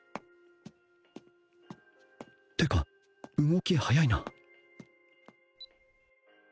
ってか動き早いな